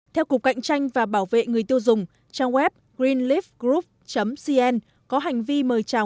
theo cục cạnh tranh và bảo vệ người tiêu dùng trang web greenleafgroup cn có hành vi mời chào